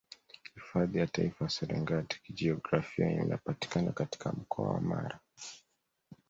Hifadhi ya Taifa ya Serengeti Kijiografia inapatikana katika mkoa wa Mara